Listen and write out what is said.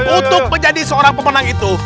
untuk menjadi seorang pemenang itu